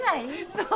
そう。